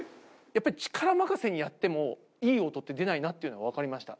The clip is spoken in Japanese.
やっぱり力任せにやっても、いい音って出ないなっていうのは分かりました。